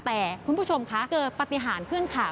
แต่คุณผู้ชมคะเกิดปฏิหารขึ้นค่ะ